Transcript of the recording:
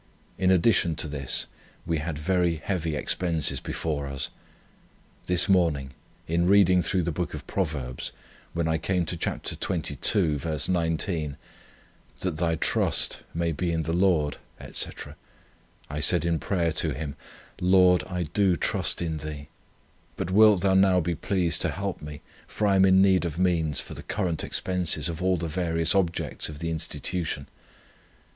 In addition to this, we had very heavy expenses before us. This morning, in reading through the book of Proverbs, when I came to chapter xxii. 19 'That thy trust may be in the Lord, &c.,' I said in prayer to Him: 'Lord, I do trust in Thee; but wilt Thou now be pleased to help me; for I am in need of means for the current expenses of all the various objects of the Institution.'